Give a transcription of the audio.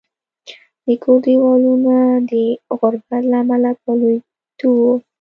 د کور دېوالونه د غربت له امله په لوېدو وو